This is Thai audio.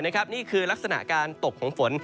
นี่คือลักษณะการตกของฝน